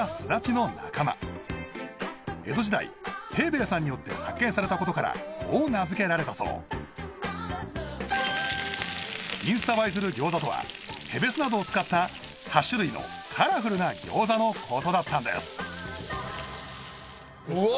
江戸時代平兵衛さんによって発見されたことからこう名づけられたそうインスタ映えする餃子とはへべすなどを使った８種類のカラフルな餃子のことだったんですうわ